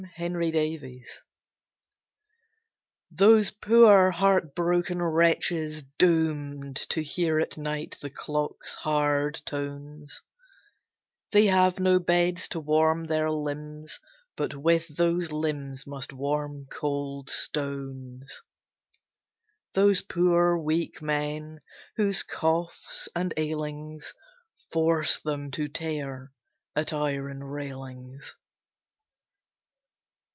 THE HELPLESS Those poor, heartbroken wretches, doomed To hear at night the clocks' hard tones; They have no beds to warm their limbs, But with those limbs must warm cold stones; Those poor weak men, whose coughs and ailings Force them to tear at iron railings.